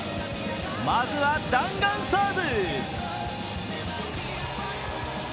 まずは、弾丸サーブ。